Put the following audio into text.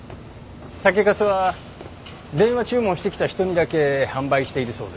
酒粕は電話注文してきた人にだけ販売しているそうです。